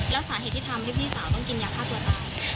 แล้วสาเหตุที่ทำให้พี่สาวต้องกินยาฆ่าตัวตาย